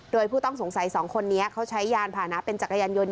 โดยผู้ต้องสงสัย๒คนนี้เขาใช้ยานผ่านะเป็นจักรยานยนต